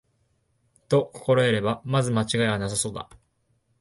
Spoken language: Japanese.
と心得れば、まず間違いはなさそうだ